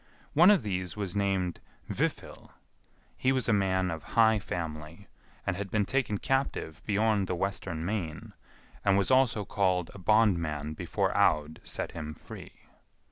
One of these was named Vifil; he was a man of high family, and had been taken captive beyond the western main, and was also called a bondman before Aud set him free.